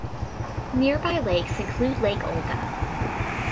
Nearby lakes include Lake Olga.